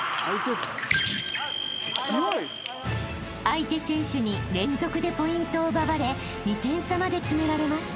［相手選手に連続でポイントを奪われ２点差まで詰められます］